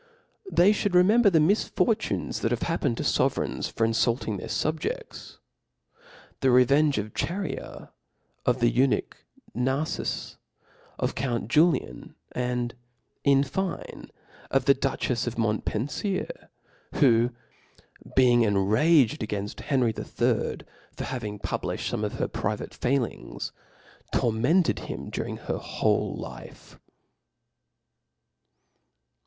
^ They (hould remembeif the misfortunes that have happened to fovereigns fir infulting their fob* jedls, the revenge of (jbarea^ of the eunuch Nar ^ fesy of count JuliaHy aiid in fine of the duchcft of Montpenftety who being enragerf againft Henry HI. for having publiftied fome of his private fkilitig^y tormented him dorii^ her Whole life.